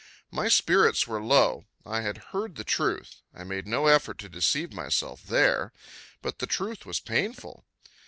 My spirits were low. I had heard the truth I made no effort to deceive myself there but the truth was painful.